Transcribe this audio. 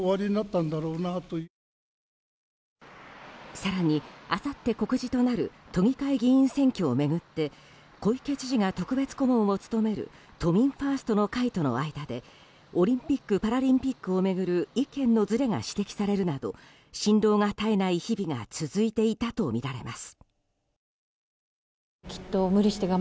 更に、あさって告示となる都議会議員選挙を巡って小池知事が特別顧問を務める都民ファーストの会との間でオリンピック・パラリンピックを巡る、意見のずれが指摘されるなど心労が絶えない日々が続いていたとみられます。